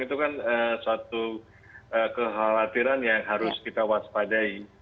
itu kan suatu kekhawatiran yang harus kita waspadai